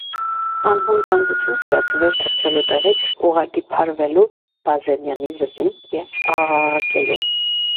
Անհուն ցանկություն զգաց վեր թռչելու տեղից, ուղղակի փարվելու Բազենյանի վզին և աղաղակելու.